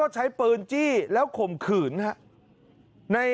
ใช้ปืนจี้แล้วขมขื่น